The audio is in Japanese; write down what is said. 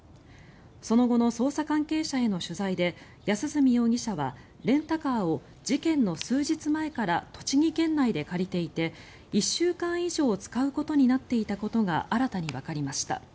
その後の捜査関係者への取材で安栖容疑者はレンタカーを事件の数日前から栃木県内で借りていて１週間以上使うことになっていたことが新たにわかりました。